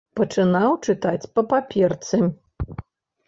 Пачынаў чытаць па паперцы.